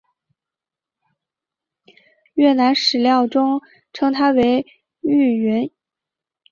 越南史料中称她为玉云。